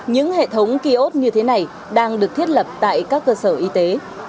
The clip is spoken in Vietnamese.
những hệ thống ký ốt như thế này đang được thiết lập tại các cơ sở y tế